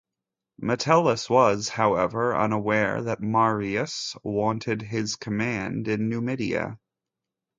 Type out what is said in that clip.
Metellus was, however, unaware that Marius wanted his command in Numidia.